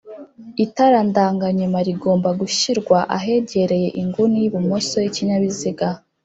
Itara ndanga nyuma rigomba gushyirwa ahegereye inguni y ibumoso y ikinyabiziga